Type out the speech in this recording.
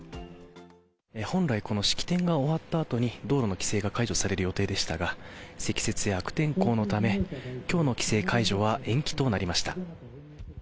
本来、この式典が終わったあとに、道路の規制が解除される予定でしたが、積雪や悪天候のため、きょうの規制解除は延期となりました。